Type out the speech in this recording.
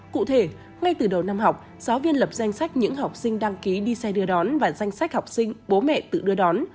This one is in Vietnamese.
cụ thể ngay từ đầu năm học giáo viên lập danh sách những học sinh đăng ký đi xe đưa đón và danh sách học sinh bố mẹ tự đưa đón